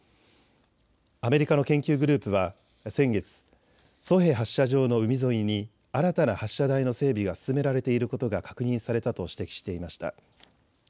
アメリカの研究グループは先月、ソヘ発射場の海沿いに新たな発射台の整備が進められていることが確認されたと指摘していました。